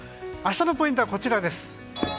明日のポイントはこちらです。